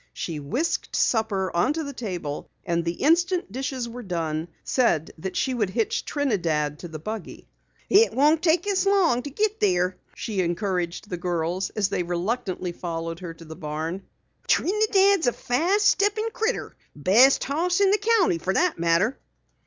She whisked supper onto the table and the instant dishes were done, said that she would hitch Trinidad to the buggy. "It won't take us long to git there," she encouraged the girls as they reluctantly followed her to the barn. "Trinidad's a fast steppin' critter. Best horse in the county fer that matter."